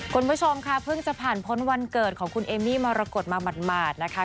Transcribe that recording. คุณผู้ชมค่ะเพิ่งจะผ่านพ้นวันเกิดของคุณเอมมี่มรกฏมาหมาดนะคะ